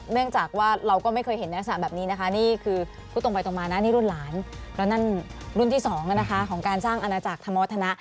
เนื่องจากว่าเราก็ไม่เคยเห็นอันธรรมแบบนี้นะคะ